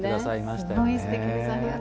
すごいすてきです。